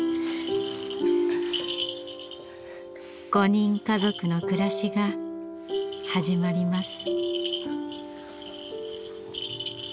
５人家族の暮らしが始まります。